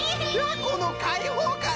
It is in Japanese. このかいほうかん！